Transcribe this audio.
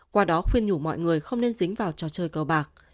qua đó khuyên nhủ mọi người không nên dính vào trò chơi cờ bạc